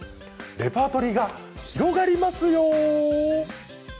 レパートリーが広がりますよ。